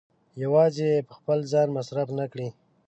يوازې يې په خپل ځان مصرف نه کړي.